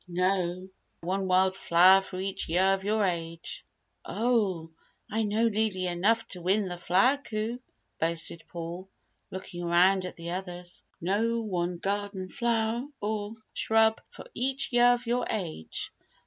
"Know one wild flower for each year of your age." "Oh, I know nearly enough to win the flower coup," boasted Paul, looking around at the others. "Know one garden flower or shrub for each year of your age."